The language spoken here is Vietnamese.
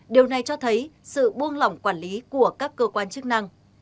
điều này cho thấy sự buông lỏng quản lý của các cơ quan chức năng